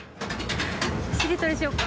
しりとりしようか。